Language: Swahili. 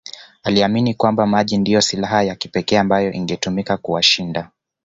Aliamini kwamba maji ndiyo silaha ya kipekee ambayo ingetumika kuwashinda